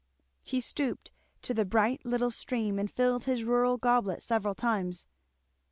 He stooped to the bright little stream and filled his rural goblet several times.